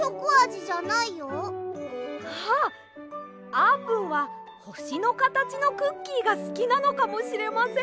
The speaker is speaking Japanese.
あーぷんはほしのかたちのクッキーがすきなのかもしれません。